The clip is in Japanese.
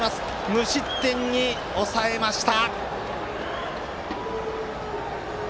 無失点に抑えました。